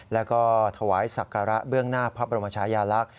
แล้วก็ถวายศักระเบื้องหน้าพระบรมชายาลักษณ์